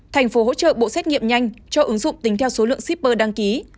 thành phố hỗ trợ bộ xét nghiệm nhanh cho ứng dụng tính theo số lượng shipper đăng ký